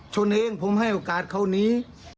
ชนเองผมให้โอกาสเขานี้